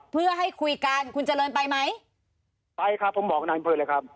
เพื่อให้คุยกันคุณเจริญไปไหมไปครับผมบอกนายอำเภอเลยครับ